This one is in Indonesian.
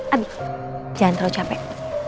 abi jangan terlalu capek